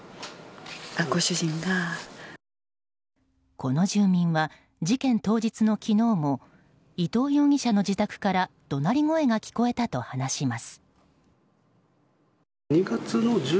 この住民は、事件当日の昨日も伊藤容疑者の自宅から怒鳴り声が聞こえたと話します。